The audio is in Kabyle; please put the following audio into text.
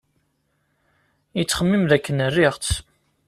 Yettxemmim dakken riɣ-tt.